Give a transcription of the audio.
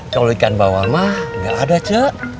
kalau ikan bawal mah gak ada ceh